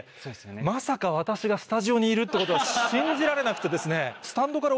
まさか私がスタジオにいるってことが信じられなくてですね。